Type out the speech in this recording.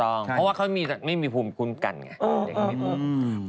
เพราะว่าเขาไม่มีภูมิคุ้มกันไง